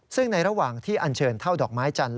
ซึ่งในระหว่างที่อันเชิญเท่าดอกไม้จันทร์